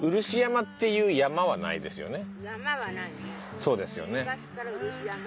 そうですよね。